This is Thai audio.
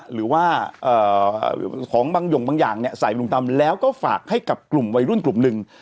หรือว่าของบางหย่งบางอย่างใส่ลุงตำแล้วก็ฝากให้กับกลุ่มวัยรุ่นกลุ่มหนึ่ง